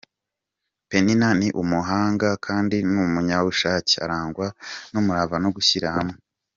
Penina ni umuhanga kandi n'umunyabushake, akarangwa n'umurava no gushyira hamwe.